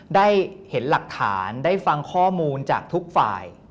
ได้เห็นหลักฐานได้ฟังข้อมูลจากทุกฝ่าย